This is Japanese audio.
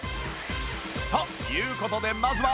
という事でまずは